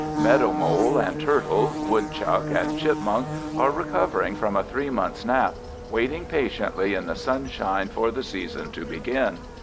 Meadow mole and turtle, woodchuck and chipmunk, are recovering from a three months' nap, waiting patiently in the sunshine for the season to begin.